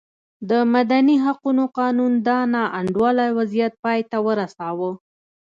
د مدني حقونو قانون دا نا انډوله وضعیت پای ته ورساوه.